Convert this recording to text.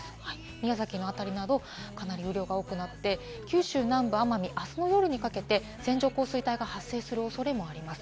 宮崎の辺りなど、かなり雨量が多くなって九州南部、奄美、あすの夜にかけて線状降水帯が発生する恐れもあります。